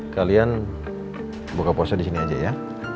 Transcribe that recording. kalian buka puasa disini aja ya